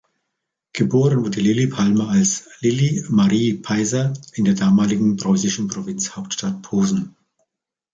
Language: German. Geboren wurde Lilli Palmer als Lilli Marie Peiser in der damaligen preußischen Provinzhauptstadt Posen.